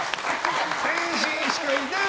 天心しかいない！